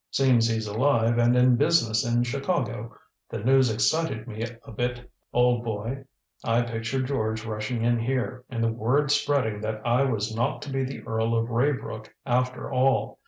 "Seems he's alive and in business in Chicago. The news excited me a bit, old boy. I pictured George rushing in here, and the word spreading that I was not to be the Earl of Raybrook, after all.